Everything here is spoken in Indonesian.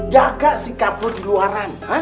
jaga sikap lu di luarang